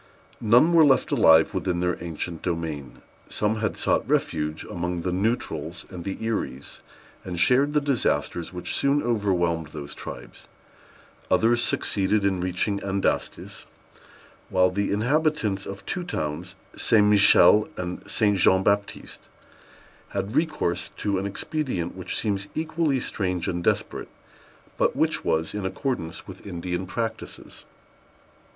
None were left alive within their ancient domain. Some had sought refuge among the Neutrals and the Eries, and shared the disasters which soon overwhelmed those tribes; others succeeded in reaching the Andastes; while the inhabitants of two towns, St. Michel and St. Jean Baptiste, had recourse to an expedient which seems equally strange and desperate, but which was in accordance with Indian practices.